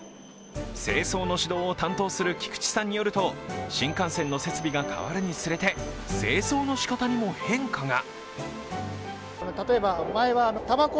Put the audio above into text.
清掃の指導を担当する菊池さんによると新幹線の設備が変わるにつれて清掃の仕方にも変化が。